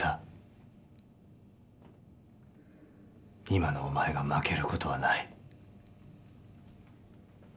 今のお前が負けることはない。